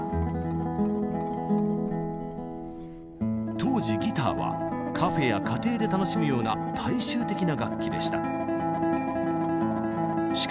当時ギターはカフェや家庭で楽しむような大衆的な楽器でした。